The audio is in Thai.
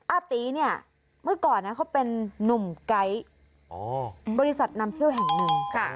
อาตีเนี่ยเมื่อก่อนนะเขาเป็นนุ่มไก๊บริษัทนำเที่ยวแห่งหนึ่ง